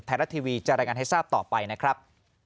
ไทยรัฐทีวีจะรายงานให้ทราบต่อไปนะครับ